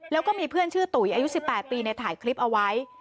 แล้วก็มีเพื่อนชื่อตุ๋ยอายุ๑๘ปีในถ่ายคลิปเอาไว้